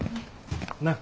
なっ。